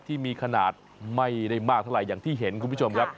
ที่มีขนาดไม่ได้มากเท่าไหร่อย่างที่เห็นคุณผู้ชมครับ